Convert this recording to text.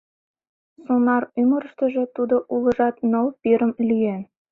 Сонар ӱмырыштыжӧ тудо улыжат ныл пирым лӱен.